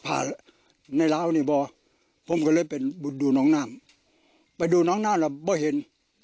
ผมก็เลยเป็นบุตรดูน้องนามไปดูน้องนามละไม่เห็น